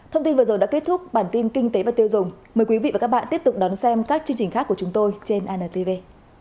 hãy đăng ký kênh để ủng hộ kênh của mình nhé